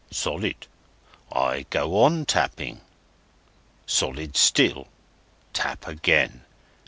Solid! I go on tapping. Solid still! Tap again.